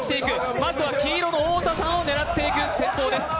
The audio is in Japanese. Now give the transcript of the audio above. まずは黄色の太田さんを狙っていく戦法です。